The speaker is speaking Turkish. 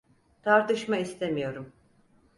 Tartışma istemiyorum.